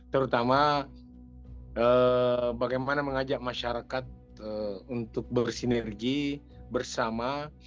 terutama bagaimana mengajak masyarakat untuk bersinergi bersama